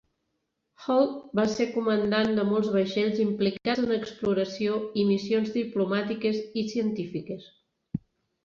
Hall va ser comandant de molts vaixells implicats en exploració i missions diplomàtiques i científiques.